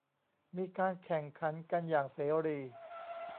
มีการแข่งขันกันอย่างเสรี